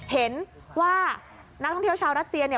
เห็นว่านักท่องเที่ยวชาวรัสเซียเนี่ย